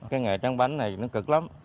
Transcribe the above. cái nghề tráng bánh này nó cực lắm